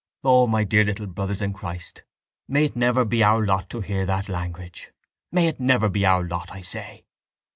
—O, my dear little brothers in Christ, may it never be our lot to hear that language! May it never be our lot, I say!